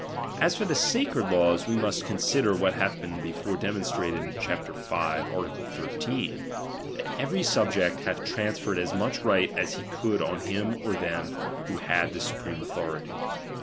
As for the sacred laws, we must consider what hath been before demonstrated in chap. v. art. 13, that every sub ject hath transferred as much right as he could on him or them who had the supreme authority.